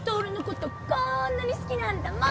こんなに好きなんだもん。